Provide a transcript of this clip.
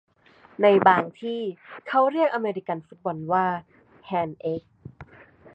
ในบางที่เขาเรียกอเมริกันฟุตบอลว่าแฮนด์เอ๊ก